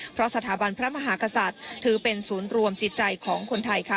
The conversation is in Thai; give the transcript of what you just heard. เพราะสถาบันพระมหากษัตริย์ถือเป็นศูนย์รวมจิตใจของคนไทยค่ะ